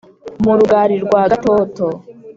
mu rugali rwa gatoto